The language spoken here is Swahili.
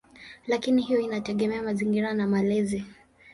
Lakini hiyo inategemea mazingira na malezi.